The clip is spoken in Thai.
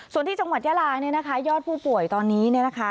ส่วนที่จังหวัดยลายอดผู้ป่วยตอนนี้